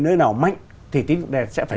nơi nào mạnh thì tín dụng đen sẽ phải